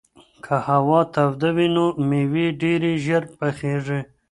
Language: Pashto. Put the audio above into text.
که هوا توده وي نو مېوې ډېرې ژر پخېږي.